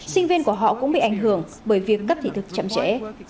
sinh viên của họ cũng bị ảnh hưởng bởi việc cấp thị thực chậm trễ